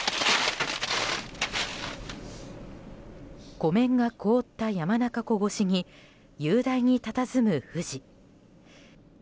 湖面が凍った山中湖越しに雄大にたたずむ富士。